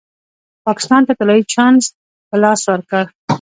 پاکستان ته طلايي چانس په لاس ورکړ.